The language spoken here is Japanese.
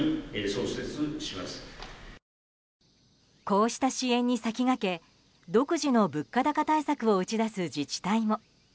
こうした支援に先駆け独自の物価高対策を打ち出す自治体も。